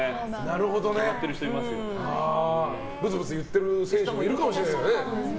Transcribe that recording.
ブツブツ言ってる選手もいるかもしれないですね。